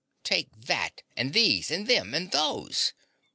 "Take that and these and them and THOSE!"